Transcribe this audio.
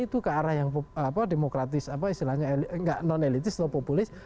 itu ke arah yang demokratis apa istilahnya nggak non elitis atau populis